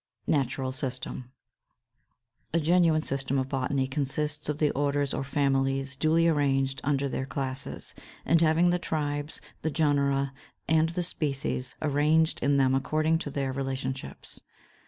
550. =Natural System.= A genuine system of botany consists of the orders or families, duly arranged under their classes, and having the tribes, the genera, and the species arranged in them according to their relationships.